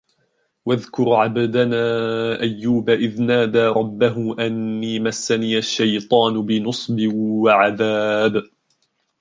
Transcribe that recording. وَاذْكُرْ عَبْدَنَا أَيُّوبَ إِذْ نَادَى رَبَّهُ أَنِّي مَسَّنِيَ الشَّيْطَانُ بِنُصْبٍ وَعَذَابٍ